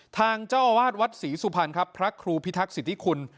ทางเจ้าอาวาสวัดศรีสุพรรณครับพระครูพิทักษิคุณ